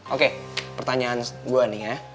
oke pertanyaan gue nih ya